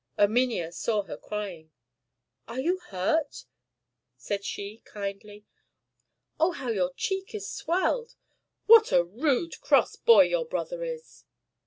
Erminia saw her crying. "Are you hurt?" said she, kindly. "Oh, how your cheek is swelled! What a rude, cross boy your brother is!"